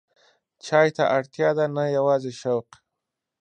چای ته اړتیا ده، نه یوازې شوق.